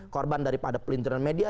korban daripada pelintir media